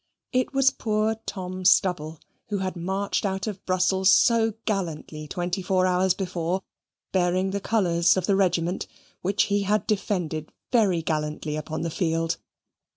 It was poor Tom Stubble, who had marched out of Brussels so gallantly twenty four hours before, bearing the colours of the regiment, which he had defended very gallantly upon the field.